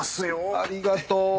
ありがとう。